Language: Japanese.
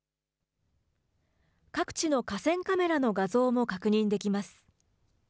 各地の河川カメラの画像も確認できます。